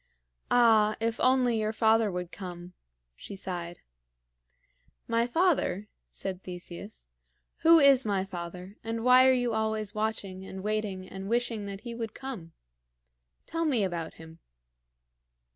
"Ah, if only your father would come!" she sighed. "My father?" said Theseus. "Who is my father, and why are you always watching and waiting and wishing that he would come? Tell me about him."